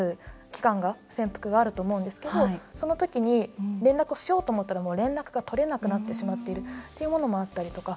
期間が、潜伏があると思うんですけどその時に連絡をしようと思ったらもう連絡が取れなくなってしまっているっていうものもあったりとか。